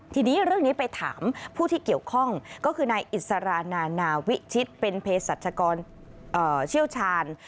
ทีนี้เรื่องนี้ไปถามผู้ที่เกี่ยวข้องก็คือนายอิสรานานาวิชิตเป็นเพศรัชกรเชี่ยวชาญ